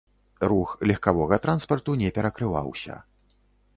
Рух легкавога транспарту не перакрываўся.